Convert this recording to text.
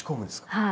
はい。